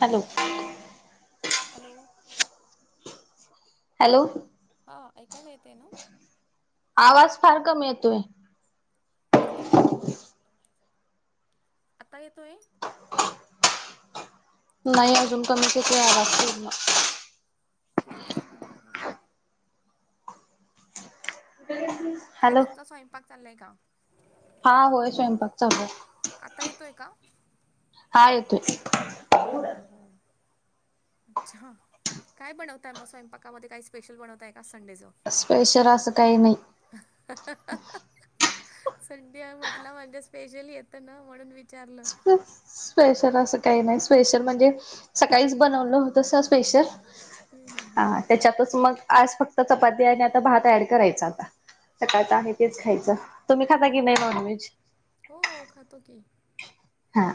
Hello. Hello.. hello हा ऐकायला येतेना? ना आवाज फार कमी येतो. हो याला प्रॉब्लेम आहे जरा आता येतोय? नाही हॅलो अजून कमी येतो आवाज पूर्ण. हम्म, हम्म, हम्म. ते [unintelligible] काय तुमचा स्वयंपाक चाललं आहे का? हा होय स्वयंपाक चालु आता आहे येतोय का हा येतोय. हो हो हो. अच्छा हां काय बनवत आहे. मग स्वयंपाकामध्ये काही स्पेशल बनवत आहे. का संडेचं? स्पेशल असं काही नाही. [unintelligible] संडे आहे म्हटलं म्हणजे स्पेशली येतना म्हणून विचारल. स्पेशल असं काही नाही स्पेशल म्हणजे सकाळीच बनवलं होत स्पेशल हम्म हम्म हा त्याच्यातच मग आज फक्त चपाती आणि आता भात ऍड करायच आता सकाळच आहे तेच खायचं. तुम्ही खाता की नाही नॉनव्हेज हो हो खातो की हा.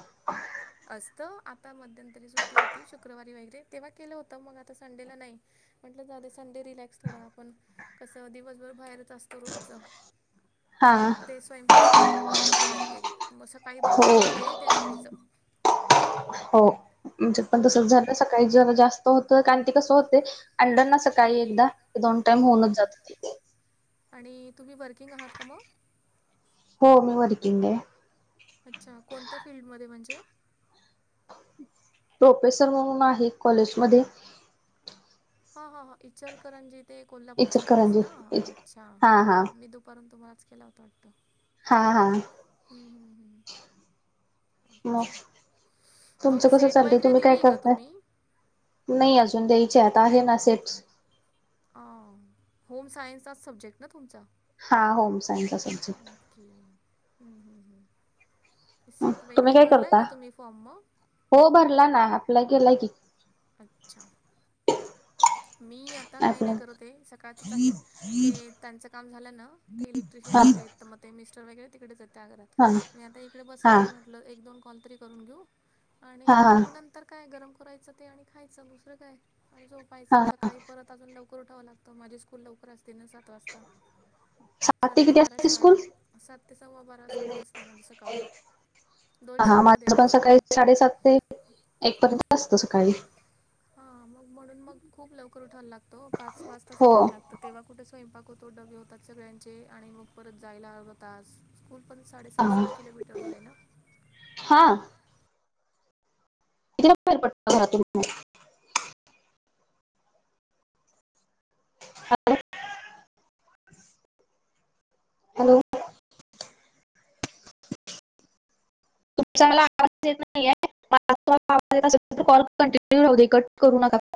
असतं आता मध्यंतरी सुट्टी होती. शुक्रवारी वगैरे तेव्हा केलं होतं मग आता संडेला नाही. म्हटलं जाऊदे संडे रिलॅक्स थोडा आपण कसं दिवसभर बाहेरच असतो रोजच हा ते स्वयंपाक स्वयंपाक पण नको वाटते मग सकाळी बनवून हो ठेवलं आहे तेच खायच. हो म्हणजे पण हो तस झाल सकाळी जरा जास्त होत कारण ते कसं होते. आनलना सकाळी एकदा की दोन टाइम होऊनच हो जाते ते. आणि तुम्ही वर्किंग आहात का मग? हो मी वर्किंग आहे. अच्छा कोणत्या फिल्ड मध्ये म्हणजे? प्रोफेसर म्हणून आहे कॉलेजमध्ये. हा, हा, हा इचलकरंजी ते कोल्हापूरचे तुम्हीच इचलकरंजी ना अच्छा हा, हां मी दुपर्यंत तुम्हालाच केला होता वाटतं. हा हा. हम्म, हम्म, हम्म. मग अच्छा मग तुमचं कसं सेट चाललंय वगैरे तुम्ही दिली काय आहे का करताय तुम्ही? नाही अजून द्यायचे आता आहे. ना सेट्स होम सायन्सचाच सब्जेक्ट ना तुमचा हा home science okay hmm hmm set तुम्ही वगैरे काय भरलाय करता का? तुम्ही फॉर्म मग.. हो भरला ना अप्लाय केलाय की. अच्छा. मी आ आता काही अप्लाय नाही करत ते सकाळचच आहे ते त्यांचं काम झाल्या ना ते हा इलेक्ट्रिशियन आले म मिस्टर वगैरे तिकडेच य हा आगरात मी आता इकडे बसले हा म्हटलं एक दोन कॉल तरी करून घेऊ आणि हा हा मग नंतर काय गरम करायचं ते आणि खायचं दुसरं काय पायच हा सकाळी परत अजून लवकर उठावं लागतं माझी स्कूल लवकर असते ना सात वाजता सात ते किती बारा असते शाळा स्कूल सात ते सव्वा बारा स्कूल असते म्हणजे सकाळ दोन हा शिफ्ट मध्ये माझं आहे ना पण स्कूल सकाळी ते साडेसात एक पर्यंत असतं सकाळी हा मग म्हणून मग खूप लवकर उठायला लागतो पाच वाजताच हो उठायला लागतं तेव्हा कुठे स्वयंपाक होतो डबे होतात सगळ्यांचे आणि मग परत जायला हळव आता स्कूल पण साडे हा सात सात किलोमीटर दूर आहे ना हा किल्या बाहेर पडतल घरा तुम्हाला ह हॅलो तुमचाला आवाज य नाहीये कॉल कंटिन्यू राह दे कट करू नका